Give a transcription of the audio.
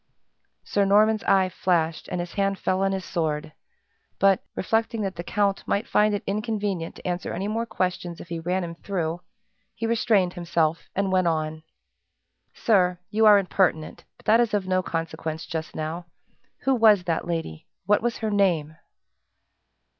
Sir Norman's eye flashed, and his hand fell on his sword; but, reflecting that the count might find it inconvenient to answer any more questions if he ran him through, he restrained himself and went on. "Sir, you are impertinent, but that is of no consequence, just now. Who was that lady what was her name?"